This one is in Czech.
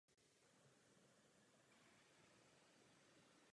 Nemůžeme takto pokračovat.